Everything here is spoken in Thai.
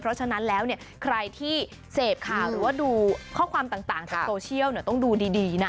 เพราะฉะนั้นแล้วเนี่ยใครที่เสพข่าวหรือว่าดูข้อความต่างจากโซเชียลต้องดูดีนะ